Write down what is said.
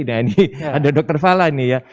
nah ini ada dokter fala nih ya